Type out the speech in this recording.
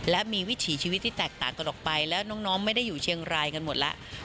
และมีวิถีชีวิตที่แตกต่างกันออกไปแล้วน้องไม่ได้อยู่เชียงรายกันหมดแล้ว